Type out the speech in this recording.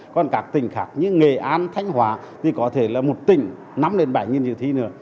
còn các tỉnh khác như nghệ an thanh hóa thì có thể là một tỉnh năm bảy dự thi nữa